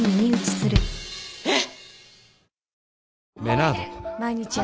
えっ！？